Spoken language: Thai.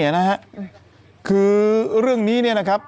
เรื่องนี้นะครับ